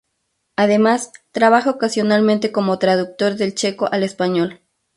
Además, trabaja ocasionalmente como traductor del checo al español.